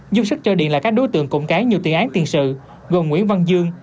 dương sức cho điện là các đối tượng cụng cái nhiều tiền án tiền sự gồm nguyễn văn dương